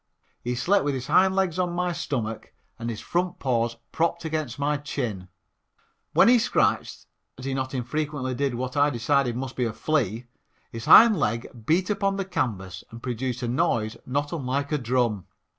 He slept with his hind legs on my stomach and his front paws propped against my chin. When he scratched, as he not infrequently did, what I decided must be a flea, his hind leg beat upon the canvas and produced a noise not unlike a drum.